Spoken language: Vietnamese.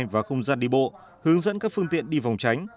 và không gian đi bộ hướng dẫn các phương tiện đi vòng tránh